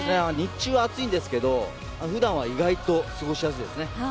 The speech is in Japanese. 日中は暑いですけど、普段は意外と過ごしやすいです。